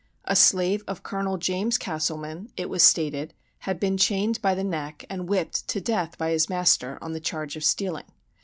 A slave of Colonel James Castleman, it was stated, had been chained by the neck, and whipped to death by his master, on the charge of stealing.